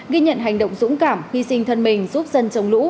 ghi nhận hành động dũng cảm hy sinh thân mình giúp dân chống lũ